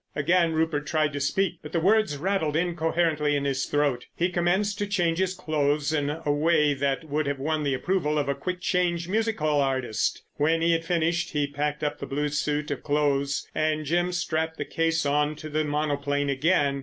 Again Rupert tried to speak, but the words rattled incoherently in his throat. He commenced to change his clothes in a way that would have won the approval of a quick change music hall artist. When he had finished he packed up the blue suit of clothes and Jim strapped the case on to the monoplane again.